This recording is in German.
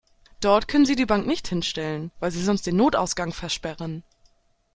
Dort können Sie die Bank nicht hinstellen, weil Sie sonst den Notausgang versperren.